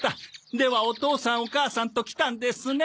ではお父さんお母さんと来たんですね？